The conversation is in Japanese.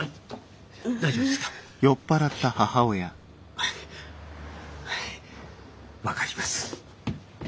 はいはい分かります。